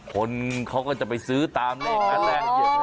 คนเขาก็จะไปซื้อตามเลขอันแรก